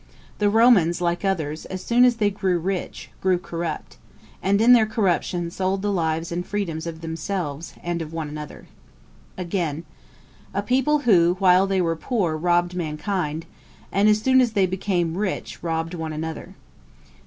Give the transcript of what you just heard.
The Romans, like others, as soon as they grew rich, grew corrupt; and in their corruption sold the lives and freedoms of themselves, and of one another.' [Page 312: Dr. Watts. A.D. 1756.] Again, 'A people, who, while they were poor, robbed mankind; and as soon as they became rich, robbed one another.'